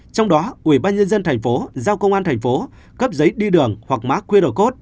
trong đó ubnd tp hcm giao công an thành phố cấp giấy đi đường hoặc má quy đồ cốt